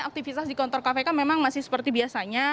aktivitas di kantor kpk memang masih seperti biasanya